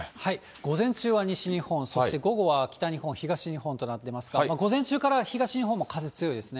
午前中は西日本、そして午後は北日本、東日本となってますが、午前中から東日本も風強いですね。